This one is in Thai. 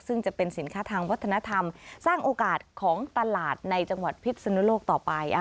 ซึ่งจะเป็นสินค้าทางวัฒนธรรมสร้างโอกาสของตลาดในจังหวัดพิษนุโลกต่อไป